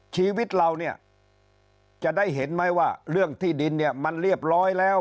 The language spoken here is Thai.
ชีวิตเราเนี่ยจะได้เห็นไหมว่าเรื่องที่ดินเนี่ยมันเรียบร้อยแล้ว